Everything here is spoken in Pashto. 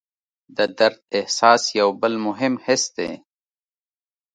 د درد احساس یو بل مهم حس دی.